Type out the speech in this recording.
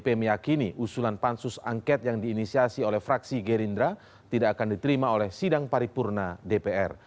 pp meyakini usulan pansus angket yang diinisiasi oleh fraksi gerindra tidak akan diterima oleh sidang paripurna dpr